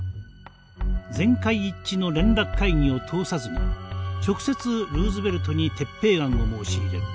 全会一致の連絡会議を通さずに直接ルーズベルトに撤兵案を申し入れる。